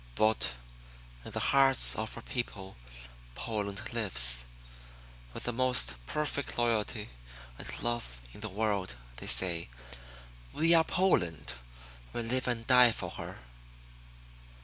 But in the hearts of her people Poland lives. With the most perfect loyalty and love in the world, they say, "We are Poland. We live and die for her."